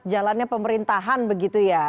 jalannya pemerintahan begitu ya